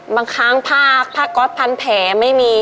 บางครั้งผ้าผ้าก๊อตพันแผลไม่มี